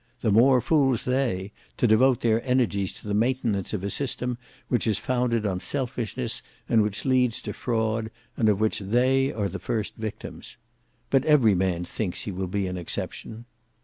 The more fools they; to devote their energies to the maintenance of a system which is founded on selfishness and which leads to fraud; and of which they are the first victims. But every man thinks he will be an exception."